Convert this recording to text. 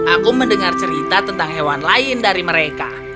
aku mendengar cerita tentang hewan lain dari mereka